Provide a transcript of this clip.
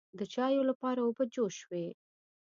د چایو لپاره اوبه جوش شوې.